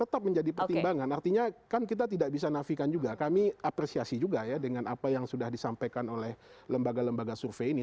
tetap menjadi pertimbangan artinya kan kita tidak bisa nafikan juga kami apresiasi juga ya dengan apa yang sudah disampaikan oleh lembaga lembaga survei ini